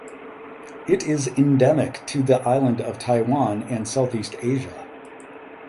It is endemic to the island of Taiwan and Southeast Asia.